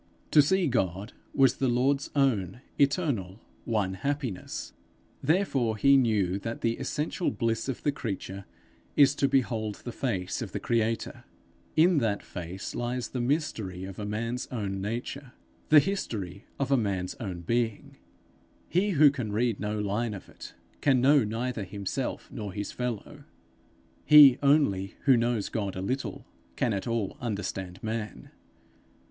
To see God was the Lord's own, eternal, one happiness; therefore he knew that the essential bliss of the creature is to behold the face of the creator. In that face lies the mystery of a man's own nature, the history of a man's own being. He who can read no line of it, can know neither himself nor his fellow; he only who knows God a little, can at all understand man.